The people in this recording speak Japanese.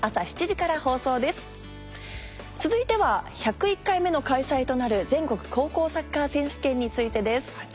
続いては１０１回目の開催となる全国高校サッカー選手権についてです。